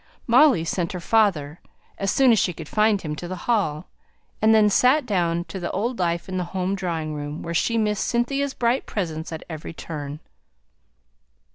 Molly sent her father, as soon as she could find him, to the Hall; and then sate down to the old life in the home drawing room, where she missed Cynthia's bright presence at every turn.